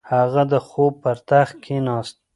هغه د خوب پر تخت کیناست.